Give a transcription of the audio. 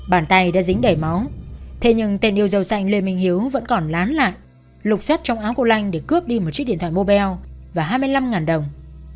bàn tay đã dính đẩy máu thế nhưng tên yêu giàu sành lê minh hiếu vẫn còn lán lại lục xót trong áo cô lanh để cướp đi một chiếc điện thoại mobile và hai mươi năm đồng